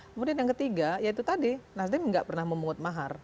kemudian yang ketiga yaitu tadi nasdem nggak pernah memungut mahar